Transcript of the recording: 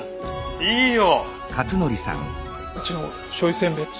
いいよ！